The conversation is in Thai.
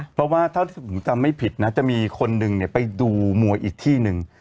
เพราะว่าเท่าที่ผมจำไม่ผิดนะจะมีคนหนึ่งไปดูมวยอีกที่หนึ่ง